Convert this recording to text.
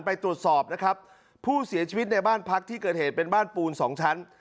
ไปตรวจสอบนะครับผู้เสียชีวิตในบ้านพักที่เกิดเหตุเป็นบ้านปูนสองชั้น